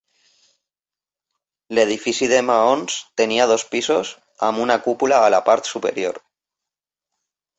L'edifici de maons tenia dos pisos amb una cúpula a la part superior.